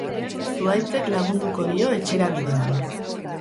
Zuhaitzek lagunduko dio etxera bidean.